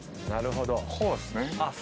こうですね。